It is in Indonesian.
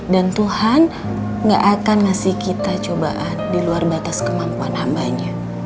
dan tuhan nggak akan ngasih kita cobaan di luar batas kemampuan